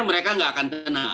mereka nggak akan kena